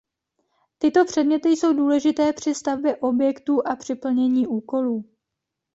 Tyto předměty jsou důležité při stavbě objektů a při plnění úkolů.